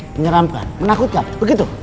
menyeramkan menakutkan begitu